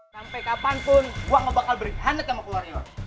sampai kapanpun gua gak bakal berhentak sama keluarga lu